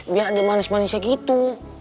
biar lebih manis manisnya gitu